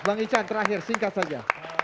bang ican terakhir singkat saja